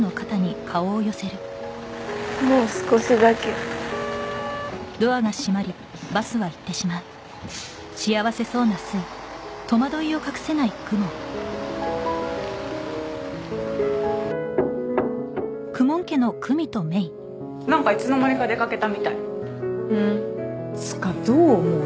もう少しだけなんかいつの間にか出かけたみたいふーんつかどう思う？